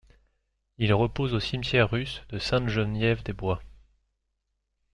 Il repose au cimetière russe de Sainte-Geneviève-des-Bois.